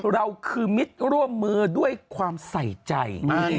เราคือมิตรร่วมมือด้วยความใส่ใจ